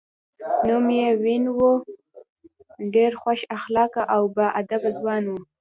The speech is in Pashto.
نوم یې وین وون و، ډېر خوش اخلاقه او با ادبه ځوان و.